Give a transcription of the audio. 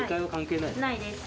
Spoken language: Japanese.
ないです。